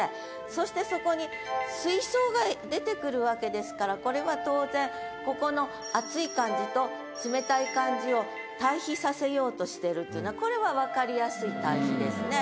そしてそこに「水槽」が出てくるわけですからこれは当然ここのさせようとしてるっていうのはこれはわかりやすい対比ですね。